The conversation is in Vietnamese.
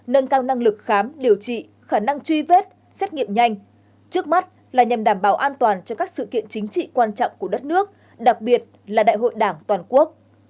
nâng cao năng lực khám điều trị khả năng truy vết xét nghiệm nhanh trước mắt là nhằm đảm bảo an toàn cho các sự kiện chính trị quan trọng của đất nước đặc biệt là đại hội đảng toàn quốc